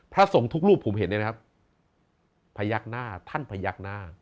พระทรงทุกรูปผมเห็นได้ไหมครับพระยักษ์หน้าท่านพระยักษ์หน้า